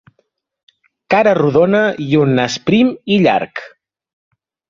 Cara rodona i un nas prim i llarg.